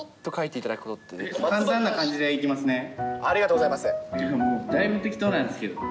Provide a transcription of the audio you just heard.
いやもうだいぶ適当なんですけど。